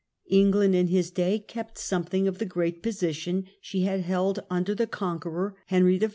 England in his day kept something of the great position she had held under the Conqueror, Henry I.